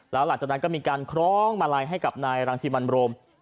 แล้วหลังจากนั้นก็มีการคล้องมาลัยให้กับนายรังสิมันโรม